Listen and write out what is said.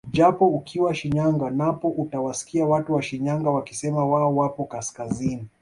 Japo ukiwa Shinyanga napo utawasikia watu wa Shinyanga wakisema wao wapo kaskazini